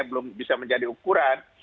belum bisa menjadi ukuran